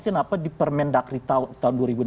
kenapa di permendakri tahun